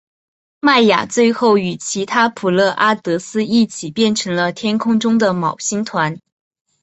迈亚最后与其他普勒阿得斯一起变成了天空中的昴星团。